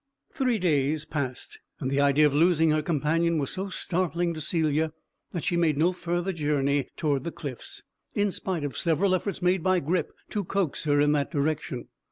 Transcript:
Three days passed, and the idea of losing her companion was so startling to Celia, that she made no further journey toward the cliffs, in spite of several efforts made by Grip to coax her in that direction.